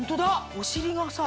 お尻がさ